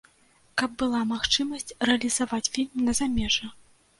Каб была магчымасць рэалізаваць фільм на замежжа.